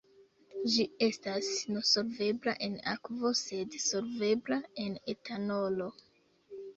Ĝi estas nesolvebla en akvo sed solvebla en etanolo.